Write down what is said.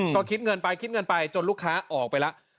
ก็คิดเงินไปคิดเงินไปจนลูกค้าออกไปแล้ว